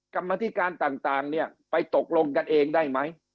กรรมธิการต่างเนี่ยไปตกลงกันเองได้ไหม